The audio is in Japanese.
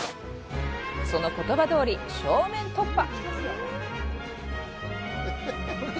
その言葉どおり正面突破